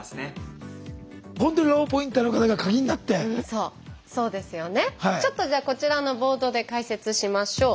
ちょっとじゃあこちらのボードで解説しましょう。